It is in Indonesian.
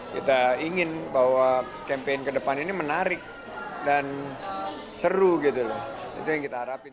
kita ingin bahwa campaign ke depan ini menarik dan seru gitu loh itu yang kita harapin